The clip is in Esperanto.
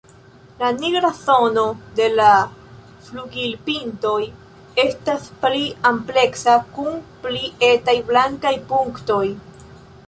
La nigra zono de la flugilpintoj estas pli ampleksa kun pli etaj blankaj punktoj.